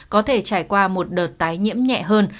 có thể trải qua một đợt tái nhiễm nhẹ hơn